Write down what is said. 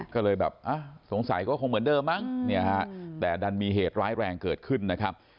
ก็เลยแบบสงสัยก็คงเหมือนเดิมมั้งเนี่ยฮะแต่ดันมีเหตุร้ายแรงเกิดขึ้นนะครับ